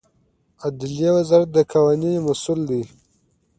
عدلیې وزارت د قوانینو مسوول دی